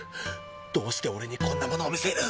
どうしてオレにこんなものを見せる。